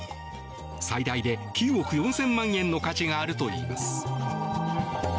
最大で９億４０００万円の価値があるといいます。